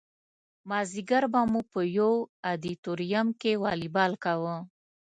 مازدیګر به مو په یو ادیتوریم کې والیبال کاوه.